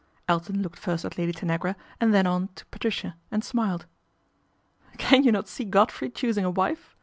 Elton looked first at Lady Tanagra and then on to Patricia, and smiled. " Can you not see Godfrey choosing a wife